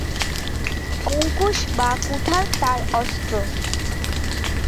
অঙ্কুশ বা কুঠার তার অস্ত্র।